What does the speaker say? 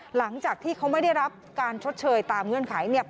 หลังจากที่เขาไม่ได้รับการชดเชยตามเงื่อนไขเนี่ย